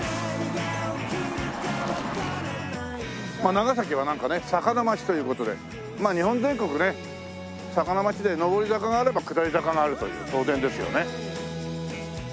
長崎はなんかね坂の町という事でまあ日本全国ね坂の町で上り坂があれば下り坂があるという当然ですよね。